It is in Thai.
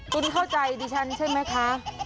คุณเข้าใจดิฉันใช่ไหมคะ